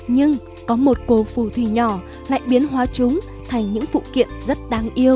nhưng có một cổ phù thủy nhỏ lại biến hóa chúng thành những phụ kiện rất đáng yêu